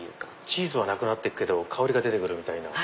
チーズはなくなって行くけど香りが出て来るみたいな。